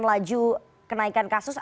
menelan laju kenaikan kasus